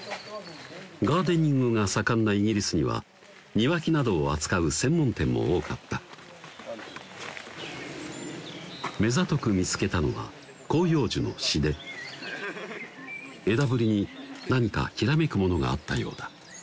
ガーデニングが盛んなイギリスには庭木などを扱う専門店も多かった目ざとく見つけたのは広葉樹のシデ枝ぶりに何かひらめくものがあったようだ